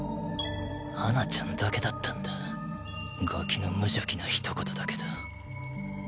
華ちゃんだけだったんだガキの無邪気な一言だけど